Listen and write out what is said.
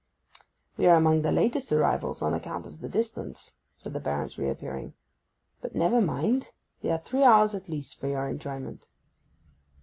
'We are among the latest arrivals, on account of the distance,' said the Baron, reappearing. 'But never mind; there are three hours at least for your enjoyment.